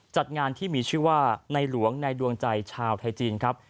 จัดงานที่มีชื่อว่าในหลวงในดวงใจชาวไทยจีนครับ